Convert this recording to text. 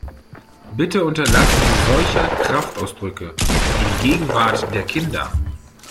Bitte unterlassen sie solche Kraftausdrücke in Gegenwart der Kinder!